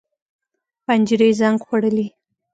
پنجرې زنګ خوړلي